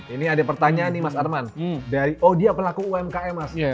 ini ada pertanyaan nih mas arman dari oh dia pelaku umkm mas